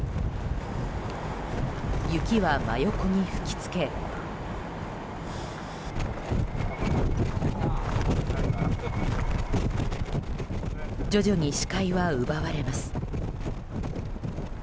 雪は真横に吹き付け徐々に視界は奪われます。